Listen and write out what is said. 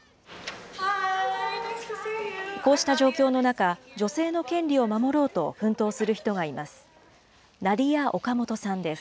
こうした状況の中、女性の権利を守ろうと奮闘する人がいます。